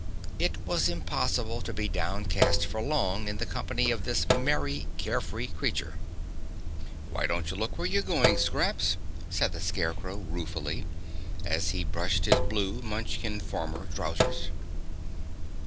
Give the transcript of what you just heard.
It was impossible to be downcast for long in the company of this merry, carefree creature. "Why don't you look where you're going, Scraps?" said the Scarecrow ruefully, as he brushed his blue Munchkin farmer trousers.